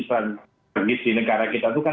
strategis di negara kita itu kan